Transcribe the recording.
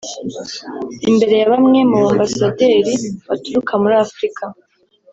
imbere ya bamwe mu ba ambasaderi baturuka muri Afurika